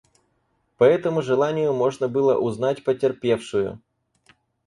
По этому желанию можно было узнать потерпевшую.